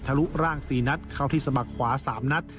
ทะลุร่างสี่นัดเข้าที่สมัครขวาสามนัด